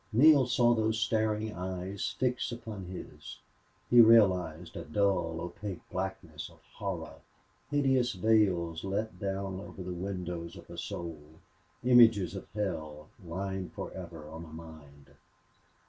Neale saw those staring eyes fix upon his; he realized a dull, opaque blackness of horror, hideous veils let down over the windows of a soul, images of hell limned forever on a mind.